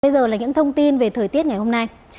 bây giờ là những thông tin về thời tiết ngày hôm nay